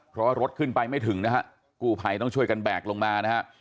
เพราะว่ารถขึ้นไปไม่ถึงนะฮะกู้ภัยต้องช่วยกันแบกลงมานะฮะ